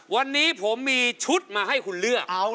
วันนี้ผมมีชุดมาให้คุณเลือก